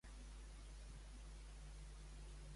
A Dénia ve l'Eva i neda.